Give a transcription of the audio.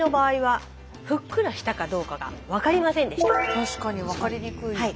確かに分かりにくい。